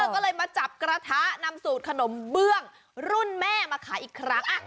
ก็เลยมาจับกระทะนำสูตรขนมเบื้องรุ่นแม่มาขายอีกครั้ง